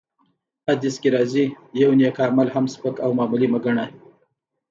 حديث کي راځي : يو نيک عمل هم سپک او معمولي مه ګڼه!